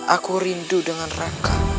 aku rindu dengan raka